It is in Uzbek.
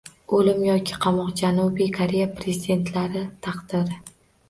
O‘lim yoki qamoq — Janubiy Koreya prezidentlari taqdiri